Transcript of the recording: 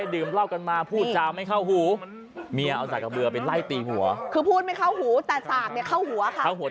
ดื่มเหล้ากันไปปลุกกลับมา